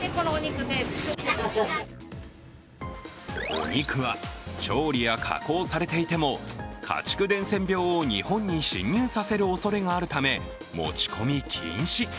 お肉は、調理や加工されていても家畜伝染病を日本に侵入させるおそれがあるため持ち込み禁止。